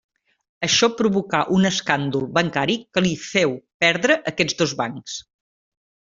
Això provocà un escàndol bancari que li féu perdre aquests dos bancs.